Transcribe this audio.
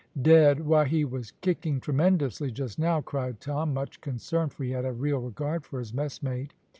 "Dead! why he was kicking tremendously just now," cried Tom, much concerned, for he had a real regard for his messmate.